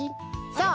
そう！